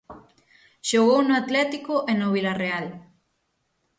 Xogou no Atlético e no Vilarreal.